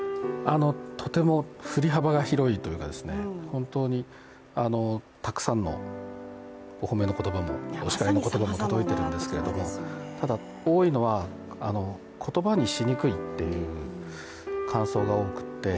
とても振り幅が広いというか、本当にたくさんのお褒めの言葉も、お叱りの言葉も届いているんですけれどただ、多いのは言葉にしにくいっていう感想が多くって。